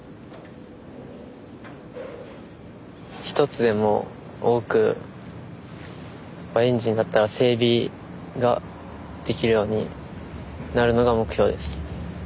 一つでも多くエンジンだったら整備ができるようになるのが目標です。